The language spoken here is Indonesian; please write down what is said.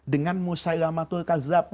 dengan musailamatul kazab